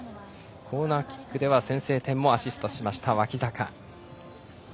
コーナーキックでは先制点もアシストしました、脇坂。